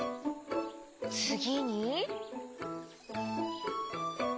つぎに？